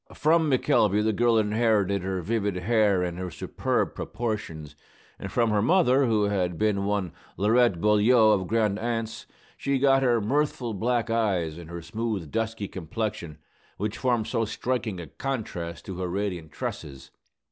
From McElvey the girl inherited her vivid hair and her superb proportions; and from her mother, who had been one Laurette Beaulieu, of Grande Anse, she got her mirthful black eyes and her smooth, dusky complexion, which formed so striking a contrast to her radiant tresses.